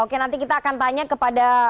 oke nanti kita akan tanya kepada